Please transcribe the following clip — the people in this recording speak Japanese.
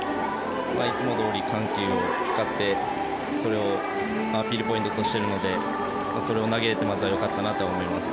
いつもどおり緩急を使ってそれをアピールポイントとしているのでそれを投げられてまずよかったなと思います。